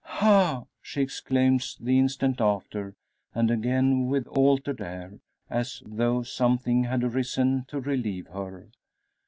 "Ha!" she exclaims the instant after, and again with altered air, as though something had arisen to relieve her.